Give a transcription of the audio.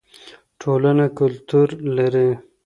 ټولنه کلتور لري.